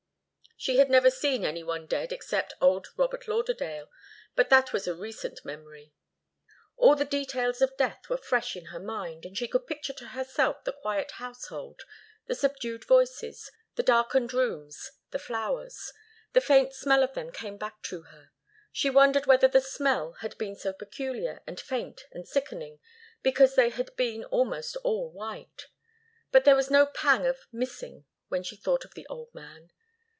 She had never seen any one dead except old Robert Lauderdale, but that was a recent memory. All the details of death were fresh in her mind, and she could picture to herself the quiet household, the subdued voices, the darkened rooms, the flowers. The faint smell of them came back to her. She wondered whether the smell had been so peculiar, and faint, and sickening, because they had been almost all white. But there was no pang of 'missing' when she thought of the old man.